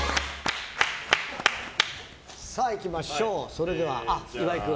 それでは岩井君。